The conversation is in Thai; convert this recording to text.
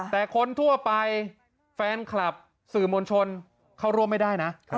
แต่คนทั่วไปแฟนคลับสื่อมวลชนเข้าร่วมไม่ได้นะ